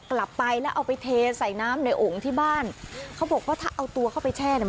กลับไปแล้วเอาไปเทใส่น้ำในองค์ที่บ้านเขาบอกว่าถ้าเอาตัวเข้าไปแช่เนี่ย